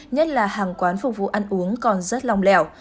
nhất là hàng quán phục vụ ăn uống còn rất lòng lẻo